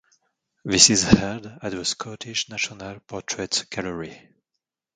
This is held at the Scottish National Portrait Gallery.